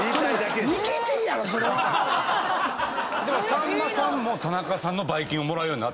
さんまさんも田中さんのバイ菌をもらうように。